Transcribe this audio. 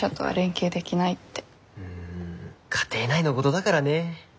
うん家庭内のごどだからね。